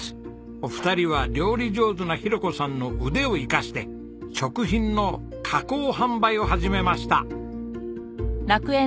お二人は料理上手な裕子さんの腕を生かして食品の加工販売を始めました。